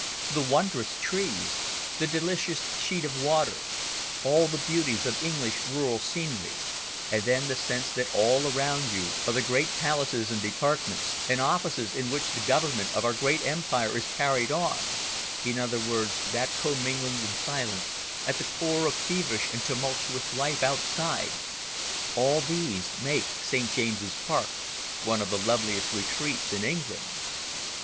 The wondrous trees, the delicious sheet of water, all the beauties of English rural scenery, and then the sense that all around you are the great palaces and departments, and offices in which the government of our great Empire is carried on in other words, that commingling of silence at the core of feverish and tumultuous life outside all these make St. James's Park one of the loveliest retreats in England.